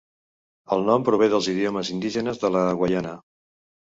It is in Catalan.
El nom prové dels idiomes indígenes de la Guaiana.